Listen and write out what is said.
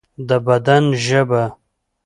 د بدن ژبه